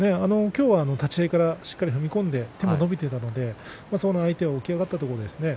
今日は立ち合いからしっかり踏み込んで手が伸びていたのでそれで相手が起き上がったと思うんですね。